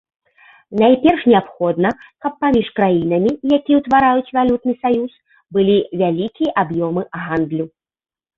Найперш неабходна, каб паміж краінамі, якія ўтвараюць валютны саюз, былі вялікія аб'ёмы гандлю.